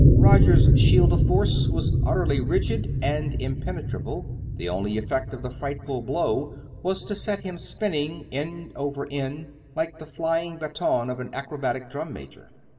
Roger's shield of force was utterly rigid and impenetrable; the only effect of the frightful blow was to set him spinning, end over end, like the flying baton of an acrobatic drum major.